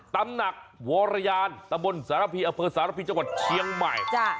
ตำหนักวรยานตะบนสารพีอเภอสารพีจังหวัดเชียงใหม่